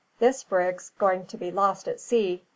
"This brig's going to be lost at sea.